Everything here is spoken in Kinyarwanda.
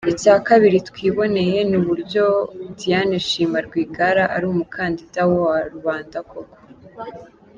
Icya kabili twiboneye ni uburyo Diane Shima Rwigara ari umukandida wa rubanda koko.